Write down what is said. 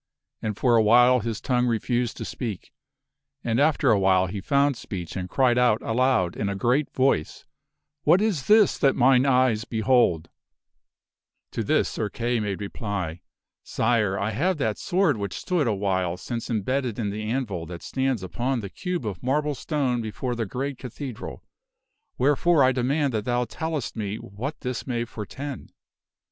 And for a while his tongue refused f r ld f t c h f t r he be ~ to speak, and after a while he found speech and cried out sword. aloud in a great voice, " What is this that mine eyes behold !" To this Sir Kay made reply, " Sire. I have that sword which stood a while since embedded in the anvil that stands upon the cube of marble stone before the great cathedral. Wherefore I demand that thou tell est me what this may foretend